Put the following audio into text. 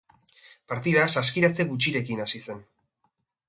Partida saskiratze gutxirekin hasi zen.